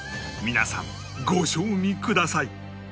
皆さんご賞味ください